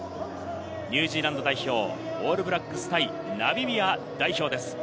ニュージーランド代表・オールブラックス対ナミビア代表です。